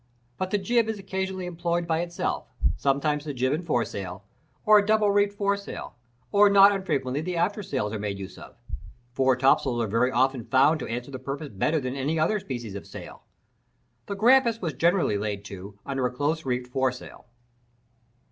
But the jib is occasionally employed by itself,—sometimes the jib and foresail, or a double reefed foresail, and not unfrequently the after sails, are made use of. Foretopsails are very often found to answer the purpose better than any other species of sail. The Grampus was generally laid to under a close reefed foresail.